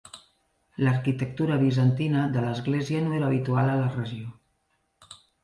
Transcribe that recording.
L'arquitectura bizantina de l'església no era habitual a la regió.